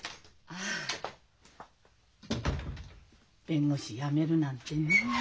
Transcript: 弁護士やめるなんてねえ。